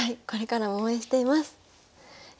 これからも応援しています。